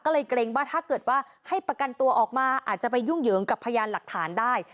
ก็เลยเกรงว่าถ้าเกิดว่าให้ประกันตัวออกมาอาจจะไปยุ่งเหยิงกับพยานหลักฐานได้